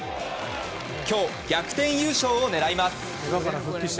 今日、逆転優勝を狙います。